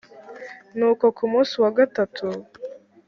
nuko ku munsi wa gatatu